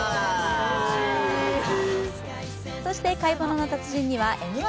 そして「買い物の達人」には「Ｍ−１」